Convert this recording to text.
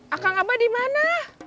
akang abah dimana